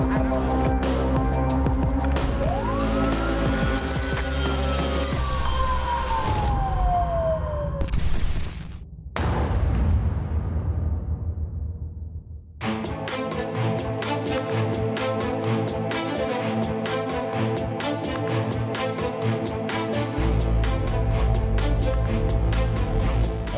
อันดับสุดท้าย